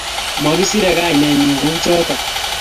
Makisirei kainennyu kuchotok